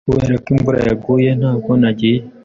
Kubera ko imvura yaguye, ntabwo nagiye.